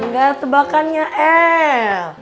nggak tebakannya el